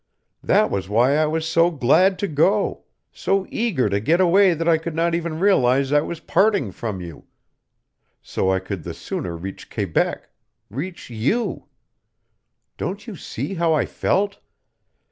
That was why I was so glad to go, so eager to get away that I could not even realize I was parting from you so I could the sooner reach Quebec reach you! Don't you see how I felt?